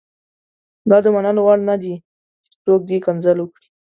دا د منلو وړ نه دي چې څوک دې کنځل وکړي.